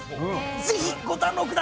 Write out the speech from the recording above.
ぜひご堪能ください。